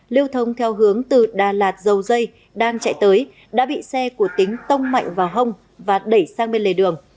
lưu thông theo hướng từ đà lạt dầu dây đang chạy tới đã bị xe của tính tông mạnh vào hông và đẩy sang bên lề đường